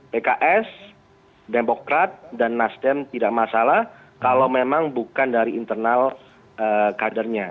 pks demokrat dan nasdem tidak masalah kalau memang bukan dari internal kadernya